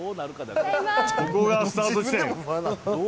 ここがスタート地点。